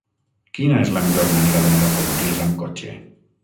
Quina és la millor manera d'anar a Pontils amb cotxe?